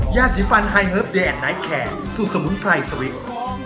ยาสีฟันไฮเลิฟแดนไนท์แคร์สูตรสมุนไพรสวิส